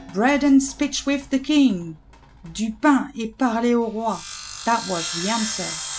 'Bread and speech with the King (Du pain, et parler au Roi),' that was the answer.